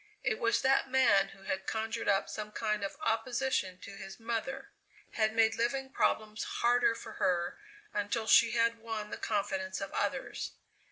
It was that man who had conjured up some kind of opposition to his mother had made living problems harder for her until she had won the confidence of others.